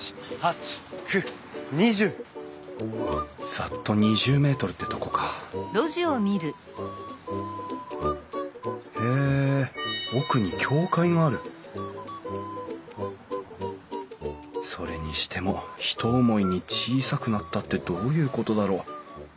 ざっと２０ｍってとこかへえ奥に教会があるそれにしても「ひと思いに小さくなった」ってどういうことだろう？